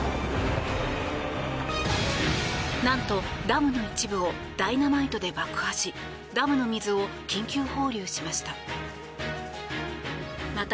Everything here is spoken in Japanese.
なんとダムの一部をダイナマイトで爆破しダムの水を緊急放流しました。